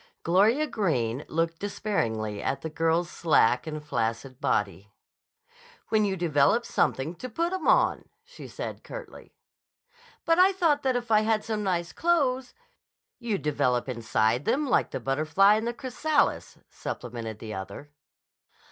Gloria Greene looked disparagingly at the girl's slack and flaccid body. "When you develop something to put 'em on," said she curtly. "But I thought that if I had some nice clothes—" "You'd develop inside them like the butterfly in the chrysalis," supplemented the other.